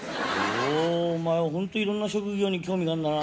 おぉお前ホントいろんな職業に興味があんだな。